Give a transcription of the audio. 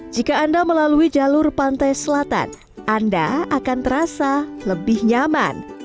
jika anda melalui jalur pantai selatan anda akan terasa lebih nyaman